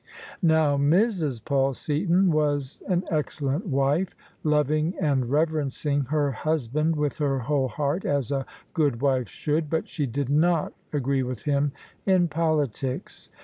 Now Mrs. Paul Seaton was an excellent wife, loving and reverencing her husband with her whole heart as a good wife should : but she did not agree with him in politics.